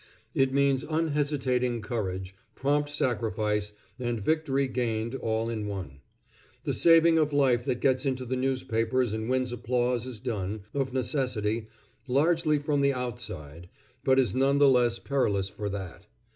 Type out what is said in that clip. It means unhesitating courage, prompt sacrifice, and victory gained, all in one. The saving of life that gets into the newspapers and wins applause is done, of necessity, largely from the outside, but is none the less perilous for that.